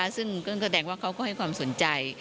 ซึ่งก็แสดงว่าเขาก็ให้ความสนใจ